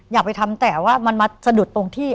อยากไปทำแต่ว่ามันมาสะดุดตรงที่